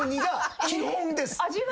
味は？